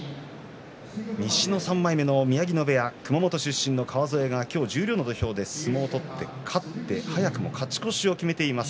西の３枚目の宮城野部屋熊本出身の川副が今日十両の土俵で相撲を取って早くも勝ち越しを決めています。